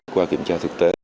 qua kiểm tra thực tế